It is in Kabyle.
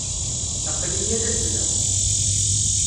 Aql-iyi ad azzleɣ.